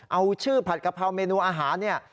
เอาชื่อผัดกะเพราเมนูอาหารเนี่ย